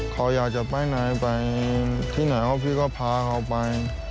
เขาอยากจะไปไหนไปที่ไหนพี่ก็พาเขาไป